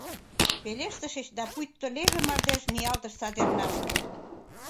Пелештышыч, да пуйто леве мардеж ниялтыш садернам.